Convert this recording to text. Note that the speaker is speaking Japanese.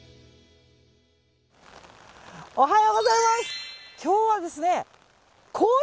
おはようございます。